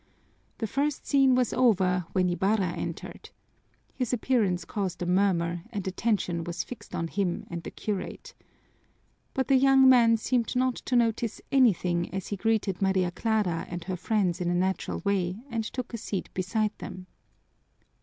The first scene was over when Ibarra entered. His appearance caused a murmur, and attention was fixed on him and the curate. But the young man seemed not to notice anything as he greeted Maria Clara and her friends in a natural way and took a seat beside them.